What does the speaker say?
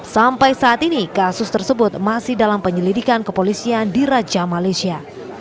sampai saat ini kasus tersebut masih dalam penyelidikan kepolisian di raja malaysia